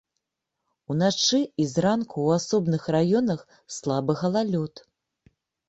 Уначы і зранку ў асобных раёнах слабы галалёд.